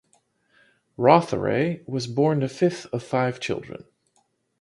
Rotheray was born the fifth of five children.